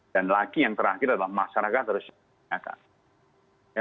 dan lagi yang terakhir adalah masyarakat harus diperbaiki